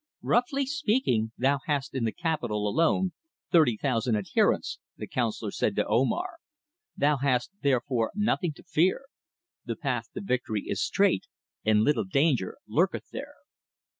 "Roughly speaking, thou hast in the capital alone thirty thousand adherents," the councillor said to Omar. "Thou hast therefore nothing to fear. The path to victory is straight, and little danger lurketh there."